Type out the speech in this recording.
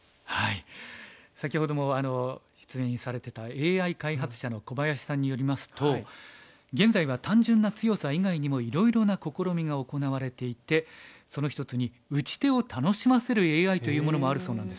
先ほども出演されてたＡＩ開発者の小林さんによりますと現在は単純な強さ以外にもいろいろな試みが行われていてその一つに打ち手を楽しませるＡＩというものもあるそうなんです。